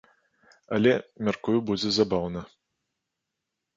Але, мяркую, будзе забаўна.